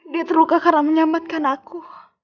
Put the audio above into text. dia terluka karena menyambatkan aku